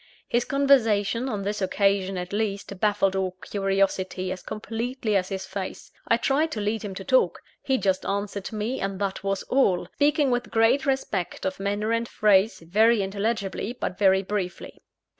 His conversation, on this occasion at least, baffled all curiosity as completely as his face. I tried to lead him to talk. He just answered me, and that was all; speaking with great respect of manner and phrase, very intelligibly, but very briefly.